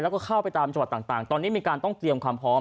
แล้วก็เข้าไปตามจังหวัดต่างตอนนี้มีการต้องเตรียมความพร้อม